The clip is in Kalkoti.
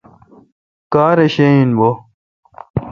کار ے شہ این بو۔